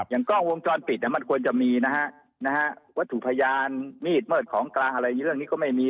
กล้องวงจรปิดมันควรจะมีนะฮะวัตถุพยานมีดเมิดของกลางอะไรเรื่องนี้ก็ไม่มี